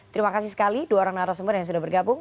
terima kasih sekali dua orang narasumber yang sudah bergabung